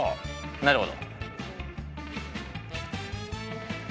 なるほど。